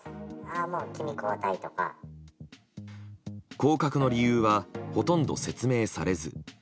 降格の理由はほとんど説明されず。